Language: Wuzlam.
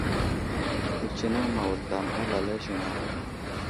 Kətsineŋ ma wuzlam alala ziŋ a ?